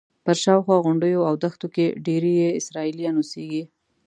پر شاوخوا غونډیو او دښتو کې ډېری یې اسرائیلیان اوسېږي.